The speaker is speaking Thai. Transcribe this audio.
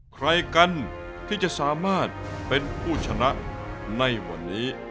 ใครกันที่จะสามารถเป็นผู้ชนะในวันนี้